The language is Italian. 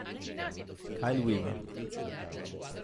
Kyle Weaver